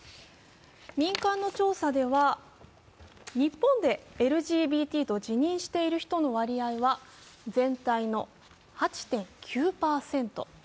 民間の調査では日本でＬＧＢＴと自認している人の割合は全体の８．９％。